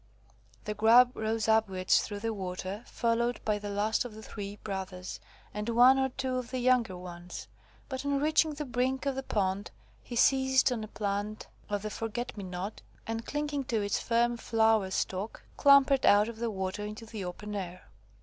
The Grub rose upwards through the water followed by the last of the three brothers, and one or two of the younger ones; but on reaching the brink of the pond, he seized on a plant of the forget me not, and clinging to its firm flower stalk, clambered out of the water into the open air.